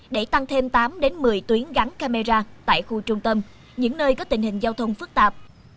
để tăng thêm tám một mươi tuyến gắn camera tại khu trung tâm những nơi có tình hình giao thông phức tạp